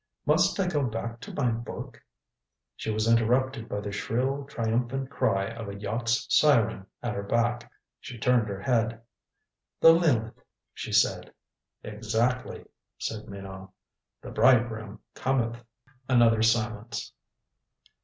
"Must I go back to my book " She was interrupted by the shrill triumphant cry of a yacht's siren at her back. She turned her head. "The Lileth," she said. "Exactly," said Minot. "The bridegroom cometh." Another silence.